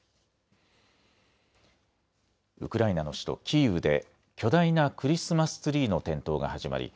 ウクライナの首都キーウで巨大なクリスマスツリーの点灯が始まり